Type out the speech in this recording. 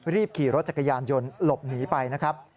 ขี่รถจักรยานยนต์หลบหนีไปนะครับ